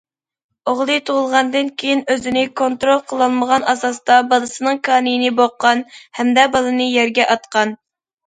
ئوغلى تۇغۇلغاندىن كېيىن ئۆزىنى كونترول قىلالمىغان ئاساستا بالىسىنىڭ كانىيىنى بوغقان ھەمدە بالىنى يەرگە ئاتقان.